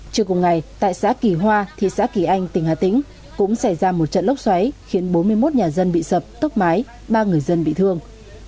trước cùng ngày tại xã kỳ hoa thị xã kỳ anh tỉnh hà tĩnh cũng xảy ra một trận lốc xoáy khiến bốn mươi một nhà dân bị sập tốc mái ba người dân bị thương